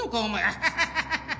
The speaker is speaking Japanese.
アハハハ！